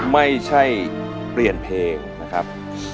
ไม่ใช่เปลี่ยนเพลงนะครับ